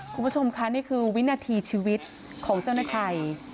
คุณผู้ชมค่ะนี่คือวินาทีชีวิตของเจ้าหน้าที่